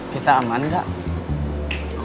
kita aman gak